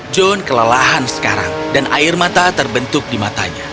john kelelahan sekarang dan air mata terbentuk di matanya